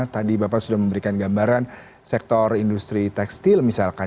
tadi bapak sudah memberikan gambaran sektor industri tekstil misalkan